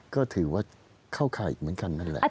ก็ถือว่าเข้าข่ายอีกเหมือนกันนั่นแหละ